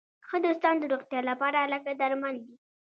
ښه دوستان د روغتیا لپاره لکه درمل دي.